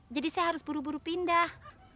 jadi saya harus buru buru pindah